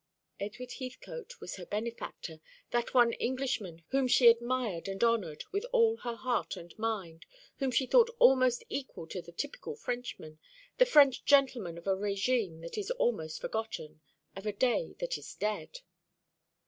Edward Heathcote was her benefactor, that one Englishman whom she admired and honoured with all her heart and mind, whom she thought almost equal to the typical Frenchman, the French gentleman of a régime that is almost forgotten, of a day that is dead.